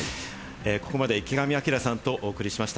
ここまで池上彰さんとお送りしました。